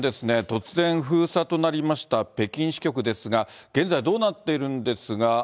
突然封鎖となりました北京支局ですが、現在、どうなっているんですか。